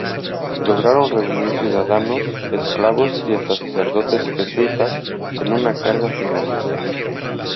Lograron reunir ciudadanos, esclavos y hasta sacerdotes jesuitas en una carga final.